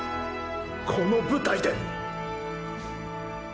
この舞台で！！